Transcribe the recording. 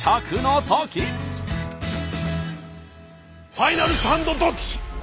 ファイナルサンドどっち！